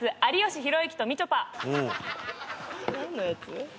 何のやつ？